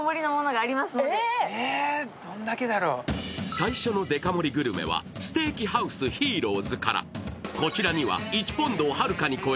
最初のデカ盛りグルメは、ステーキハウスＨＩＲＯ’Ｓから。